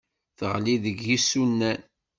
Teɣli deg yisunan.